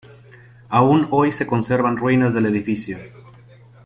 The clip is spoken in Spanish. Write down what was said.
Aún hoy se conservan ruinas del edificio.